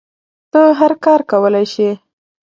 ته هر کار کولی شی